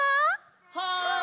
はい！